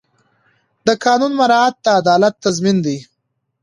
د قانون مراعات د عدالت تضمین دی.